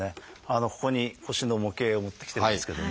ここに腰の模型を持ってきてますけども。